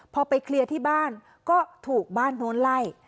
พอไปเคลียร์ที่บ้านก็ถูกบ้านโน้นไล่